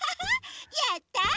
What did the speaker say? やった！